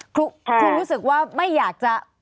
คือรู้สึกว่าไม่อยากจะ